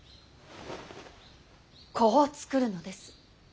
子を作るのです。